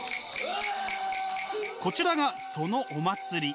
こちらがそのお祭り。